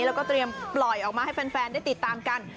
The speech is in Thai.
แล้วก็เตรียมปล่อยออกมาให้แฟนได้ติดตามกัน